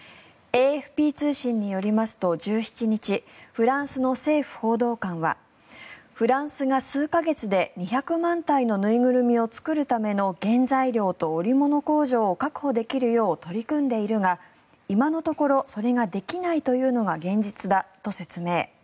ＡＦＰ通信によりますと１７日フランスの政府報道官はフランスが数か月で２００万体の縫いぐるみを作るための原材料と織物工場を確保できるよう取り組んでいるが今のところそれができないというのが現実だと説明。